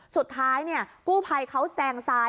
สุดท้ายกู้ภัยเขาแซงซ้าย